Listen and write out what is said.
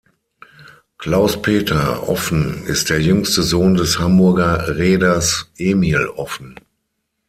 Claus-Peter Offen ist der jüngste Sohn des Hamburger Reeders Emil Offen.